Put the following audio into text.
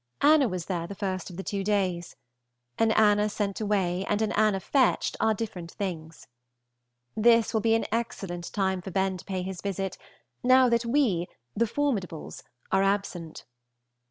Anna was there the first of the two days. An Anna sent away and an Anna fetched are different things. This will be an excellent time for Ben to pay his visit, now that we, the formidables, are absent.